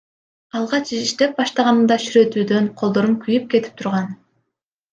Алгач иштеп баштаганымда ширетүүдөн колдорум күйүп кетип турган.